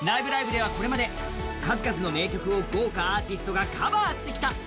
では、これまで数々の名曲を豪華アーティストがカバーしてきた。